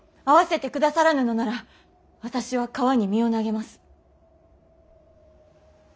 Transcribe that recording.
会わせてくださらぬのなら私は川に身を投げます。